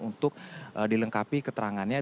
untuk dilengkapi keterangannya